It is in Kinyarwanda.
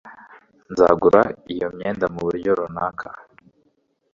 nzagura iyo myenda muburyo runaka